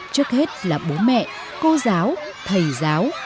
trước hết là bố mẹ cô giáo thầy giáo